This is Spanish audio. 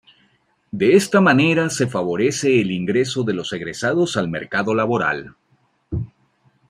De esta manera, se favorece el ingreso de los egresados al mercado laboral.